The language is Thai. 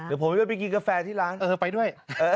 เดี๋ยวผมจะไปกินกาแฟที่ร้านเออไปด้วย